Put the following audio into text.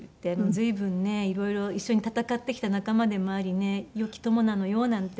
「随分ね色々一緒に戦ってきた仲間でもありねよき友なのよ」なんて。